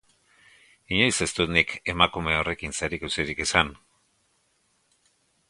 Inoiz ez dut nik emakume horrekin zerikusirik izan.